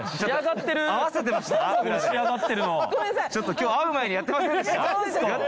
今日会う前にやってませんでした？